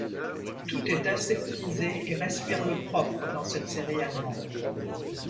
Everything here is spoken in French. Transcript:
Tout est aseptisé et respire le propre dans cette série allemande.